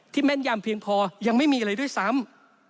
แม่นยำเพียงพอยังไม่มีเลยด้วยซ้ำ